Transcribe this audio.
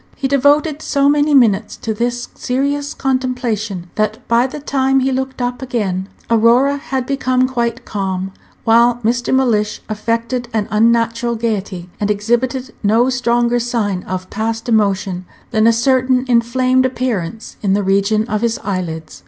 He devoted so many minutes to this serious contemplation that by the time he looked up again Aurora had become quite calm, while Mr. Mellish affected an unnatural gayety, and exhibited no stronger sign of past emotion than a certain inflamed appearance in the region of his eyelids.